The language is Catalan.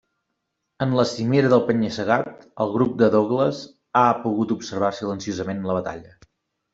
En la cimera del penya-segat, el grup de Douglas ha pogut observar silenciosament la batalla.